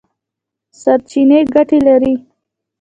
سرچینې ګټې لري.